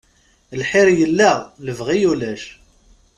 Lḥir yella, lebɣi ulac.